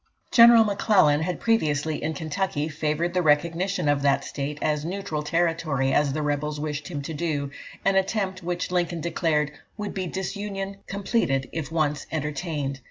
General M'Clellan had previously, in Kentucky, favoured the recognition of that state as neutral territory, as the rebels wished him to do an attempt which Lincoln declared "would be disunion completed, if once entertained."